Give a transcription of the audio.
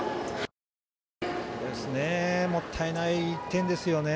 もったいない１点ですよね。